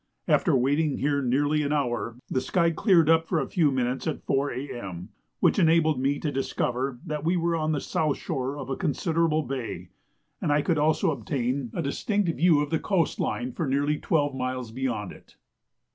After waiting here nearly an hour, the sky cleared up for a few minutes at 4 A.M., which enabled me to discover that we were on the south shore of a considerable bay, and I could also obtain a distinct view of the coast line for nearly twelve miles beyond it.